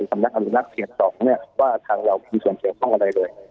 ทำนักอรินักเขตต้องว่าทางเราที่ส่วนเกี่ยวข้องกับอะไรเลย